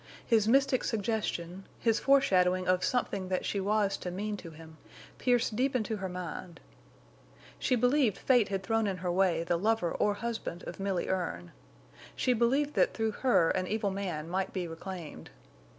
His mystic suggestion, his foreshadowing of something that she was to mean to him, pierced deep into her mind. She believed fate had thrown in her way the lover or husband of Milly Erne. She believed that through her an evil man might be reclaimed.